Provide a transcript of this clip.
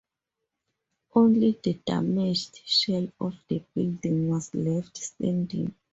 Only the damaged shell of the building was left standing.